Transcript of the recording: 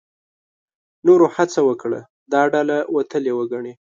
نورو هڅه وکړه دا ډله وتلې وګڼي.